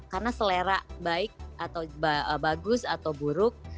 karena selera baik atau bagus atau buruk